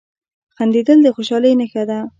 • خندېدل د خوشحالۍ نښه ده.